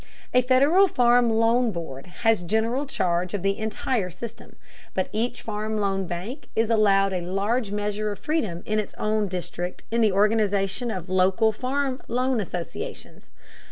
A Federal Farm Loan Board has general charge of the entire system, but each Farm Loan Bank is allowed a large measure of freedom in its own district in the organization of local Farm Loan Associations.